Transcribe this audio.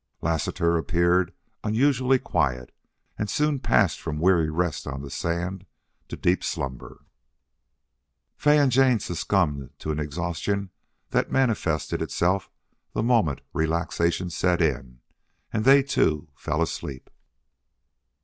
Lassiter appeared unusually quiet, and soon passed from weary rest on the sand to deep slumber. Fay and Jane succumbed to an exhaustion that manifested itself the moment relaxation set in, and they, too, fell asleep.